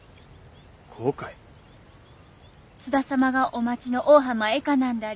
津田様がお待ちの大浜へ行かなんだり